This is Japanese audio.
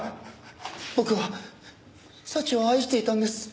僕は早智を愛していたんです。